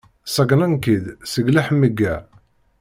Ṣeggnen-k-id s leḥmegga.